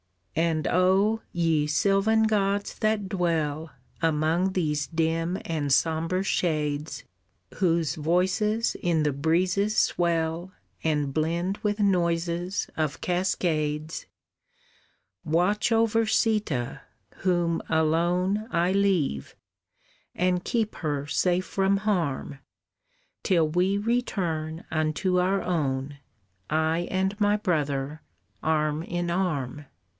"And oh ye sylvan gods that dwell Among these dim and sombre shades, Whose voices in the breezes swell And blend with noises of cascades, Watch over Sîta, whom alone I leave, and keep her safe from harm, Till we return unto our own, I and my brother, arm in arm.